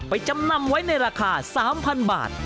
จำนำไว้ในราคา๓๐๐๐บาท